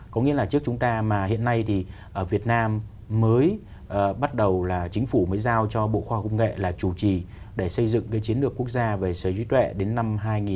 có nghĩa là trước chúng ta mà hiện nay thì việt nam mới bắt đầu là chính phủ mới giao cho bộ khoa công nghệ là chủ trì để xây dựng cái chiến lược quốc gia về sở hữu trí tuệ đến năm hai nghìn ba mươi